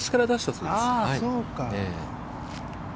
そうか。